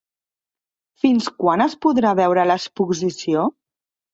Fins quan es podrà veure l'exposició?